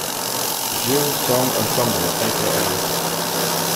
Zchiw Song Ensemble a.k.a.